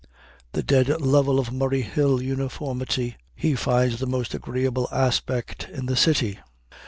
The dead level of Murray Hill uniformity he finds the most agreeable aspect in the city.